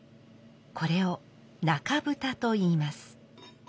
これを中蓋と言います。